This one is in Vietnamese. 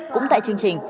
cũng tại chương trình